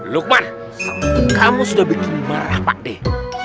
lukman kamu sudah bikin marah pak deh